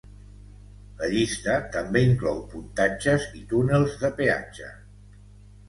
La llista també inclou pontatges i túnels de peatge.